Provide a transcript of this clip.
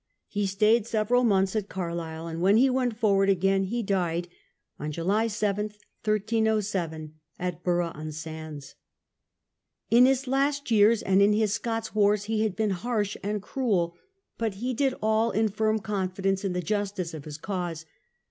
He stayed several months at Carlisle, and when he went for ward again he died, on July 7, 1307, at Burgh on Sands. In his later years and in his Scots wars he had been harsh and cruel, but he did all in firm confidence in the justice of his cause.